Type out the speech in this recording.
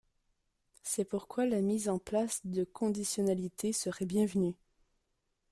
C’est pourquoi la mise en place de conditionnalités serait bienvenue.